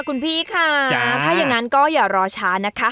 คุณพี่ค่ะถ้าอย่างนั้นก็อย่ารอช้านะคะ